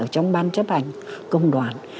trong ban chấp ảnh công đoàn